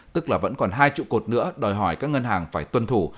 tức là vẫn còn hai trụ cột nữa đòi hỏi các ngân hàng phải tuân thủ